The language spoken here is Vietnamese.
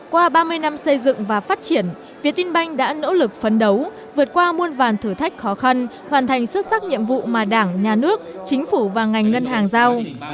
qua ba mươi năm xây dựng và phát triển việt tinh banh đã nỗ lực phấn đấu vượt qua muôn vàn thử thách khó khăn hoàn thành xuất sắc nhiệm vụ mà đảng nhà nước chính phủ và ngành ngân hàng giao